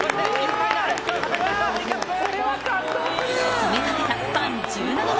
詰めかけたファン１７万